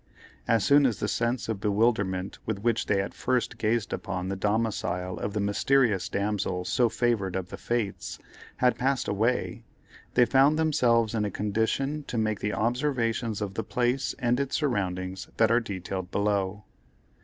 As soon as the sense of bewilderment with which they at first gazed upon the domicile of the mysterious damsel so favored of the fates, had passed away, they found themselves in a condition to make the observations of the place and its surroundings that are detailed below.